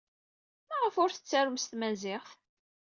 Maɣef ur t-tettarum s tmaziɣt?